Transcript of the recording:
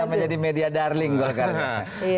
sudah menjadi media darling golkar ini